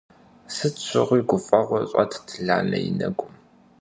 Сыт щыгъуи гуфӀэгъуэ щӀэтт Ланэ и нэгум.